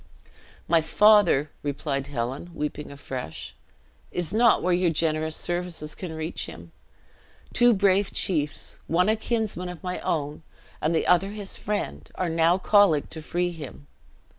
"My father," replied Helen, weeping afresh, "is not where your generous services can reach him. Two brave chiefs, one a kinsman of my own, and the other his friend, are now colleagued to free him.